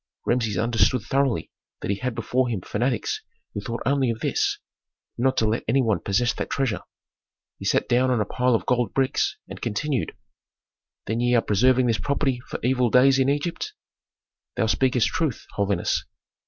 Rameses understood thoroughly that he had before him fanatics who thought only of this: not to let any one possess that treasure. He sat down on a pile of gold bricks, and continued, "Then ye are preserving this property for evil days in Egypt?" "Thou speakest truth, holiness."